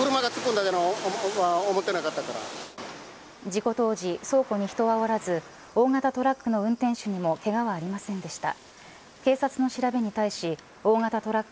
事故当時倉庫に人はおらず大型トラックの運転手にもけがはありませんでした。